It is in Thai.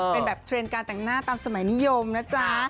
เป็นแบบเทรนด์การแต่งหน้าตามสมัยนิยมนะจ๊ะ